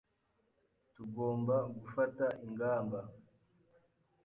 Tugomba gufata ingamba.